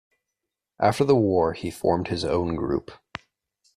After the war he formed his own group.